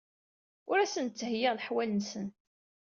Ur asen-d-ttheyyiɣ leḥwal-nsen.